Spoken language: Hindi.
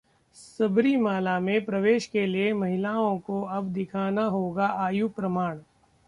सबरीमला में प्रवेश के लिए महिलाओं को अब दिखाना होगा आयु प्रमाण